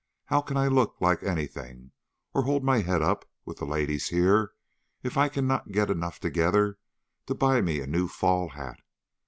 How can I look like any thing, or hold my head up with the ladies here if I cannot get enough together to buy me a new fall hat.